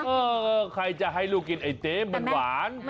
เออใครจะให้ลูกกินไอเต๊มันหวาน